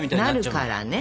なるからね。